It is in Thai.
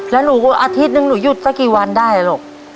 แล้วหนูก็อาทิตย์หนึ่งหนูหยุดสักกี่วันได้ลูก